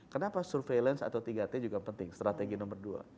kenapa surveillance atau tiga t juga penting strategi nomor dua